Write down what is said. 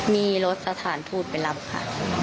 มีรถสถานทูตไปรับค่ะ